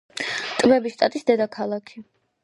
ტბების შტატის დედაქალაქი.